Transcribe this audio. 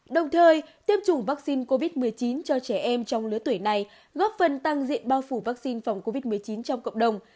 đồng thời tiêm chủng vaccine covid một mươi chín cho trẻ em trong lứa tuổi này góp phần tăng diện bao phủ vaccine phòng covid một mươi chín trong cộng đồng